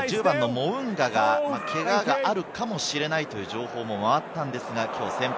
１０番のモウンガ、けががあるかもしれないという情報もあったのですが、きょう先発。